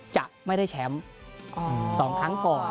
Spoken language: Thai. จะไม่ได้แชมป์๒ครั้งก่อน